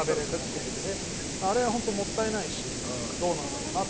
あれ、本当もったいないしどうなんだろうなって。